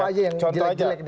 aja yang jelek jelek ini